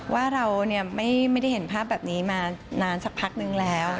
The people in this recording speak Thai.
ว่าเราไม่ได้เห็นภาพแบบนี้มานานสักพักนึงแล้ว